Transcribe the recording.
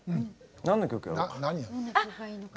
何の曲やろうか？